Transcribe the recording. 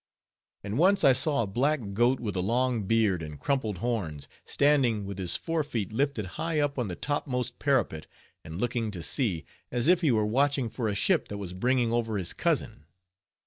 And once I saw a black goat with a long beard, and crumpled horns, standing with his forefeet lifted high up on the topmost parapet, and looking to sea, as if he were watching for a ship that was bringing over his cousin.